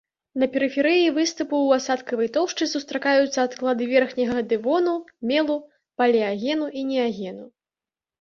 На перыферыі выступу ў асадкавай тоўшчы сустракаюцца адклады верхняга дэвону, мелу, палеагену і неагену.